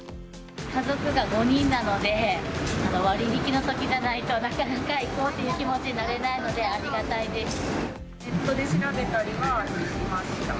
家族が５人なので、割引のときじゃないとなかなか行こうという気持ちになれないのでネットで調べたりはしました。